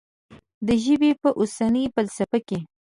د ژبې په اوسنۍ فلسفه کې.